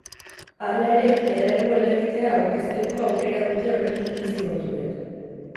Hala ere, erregu helegitea aurkezteko aukera dute oraindik bi zigortuek.